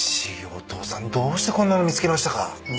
お父さんどうしてこんなの見つけましたか？